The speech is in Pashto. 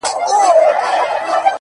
ځمه ويدېږم ستا له ياده سره شپې نه كوم;